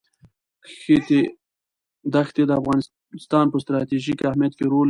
ښتې د افغانستان په ستراتیژیک اهمیت کې رول لري.